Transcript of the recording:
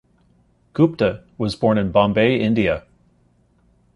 Gupte was born in Bombay, India.